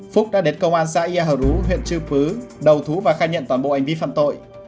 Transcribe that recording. phúc đã đến công an xã yà hờ rũ huyện trừ pứ đầu thú và khai nhận toàn bộ anh vi phân tội